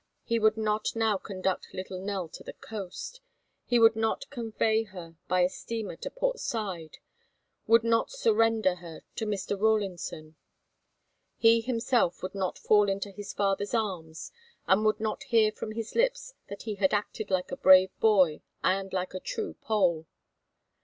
He would not now conduct little Nell to the coast; he would not convey her by a steamer to Port Said, would not surrender her to Mr. Rawlinson; he himself would not fall into his father's arms and would not hear from his lips that he had acted like a brave boy and like a true Pole!